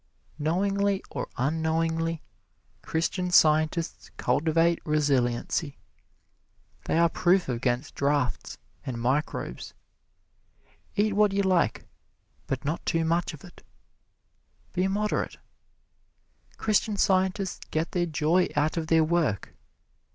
Knowingly or unknowingly Christian Scientists cultivate resiliency. They are proof against drafts and microbes. Eat what you like, but not too much of it. Be moderate. Christian Scientists get their joy out of their work.